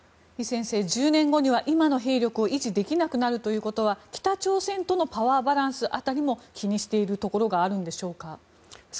イ先生１０年後には今の勢力を維持できなくなるということは北朝鮮とのパワーバランス辺りも気にしているところがあるんでしょうか？